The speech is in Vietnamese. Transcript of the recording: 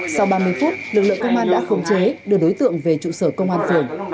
sau ba mươi phút lực lượng công an đã khống chế đưa đối tượng về trụ sở công an phường